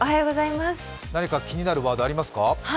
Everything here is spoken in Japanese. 何か気になるワード、ありますか？